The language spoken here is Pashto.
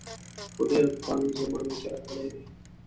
په ډېره پخوانۍ زمانه کې راغلي دي.